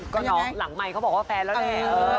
ก็หลังไมค์เค้าบอกว่าแฟนแล้วเนี่ย